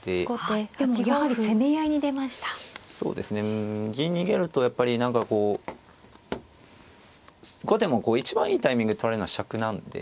うん銀逃げるとやっぱり何かこう後手も一番いいタイミングで取られるのはしゃくなんで。